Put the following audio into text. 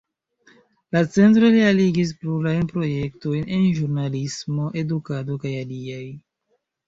La Centro realigis plurajn projektojn en ĵurnalismo, edukado kaj aliaj.